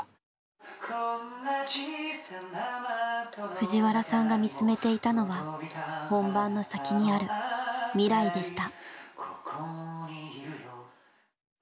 藤原さんが見つめていたのは本番の先にある未来でした。